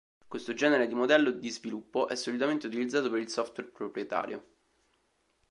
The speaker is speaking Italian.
Questo genere di modello di sviluppo è solitamente utilizzato per il software proprietario.